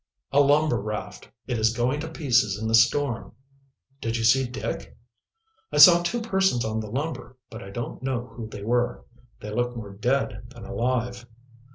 "A lumber raft. It is going to pieces in the storm." "Did you see Dick?" "I saw two persons on the lumber, but I don't know who they were. They looked more dead than alive."